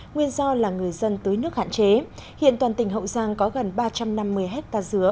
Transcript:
nguyên do là người dân tưới nước hạn chế hiện toàn tỉnh hậu giang có gần ba trăm năm mươi hectare dứa